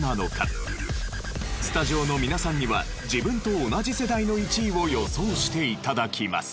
スタジオの皆さんには自分と同じ世代の１位を予想して頂きます。